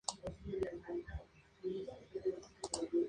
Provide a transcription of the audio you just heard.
La parcela se define como una parte de un terreno mayor.